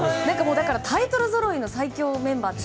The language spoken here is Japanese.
タイトルぞろいの最強メンバーと。